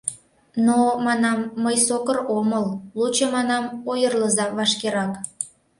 Но, манам, мый сокыр омыл, лучо, манам, ойырлыза вашкерак.